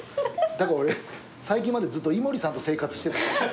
だから俺最近までずっと井森さんと生活してた。